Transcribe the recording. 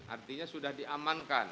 artinya sudah diamankan